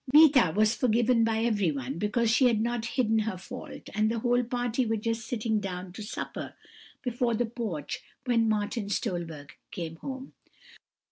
"Meeta was forgiven by everyone, because she had not hidden her fault; and the whole party were just sitting down to supper before the porch when Martin Stolberg came home.